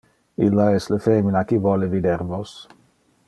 Illa es le femina qui vole vider vos.